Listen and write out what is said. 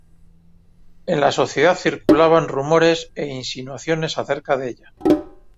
En la sociedad circulaban rumores e insinuaciones acerca de ella.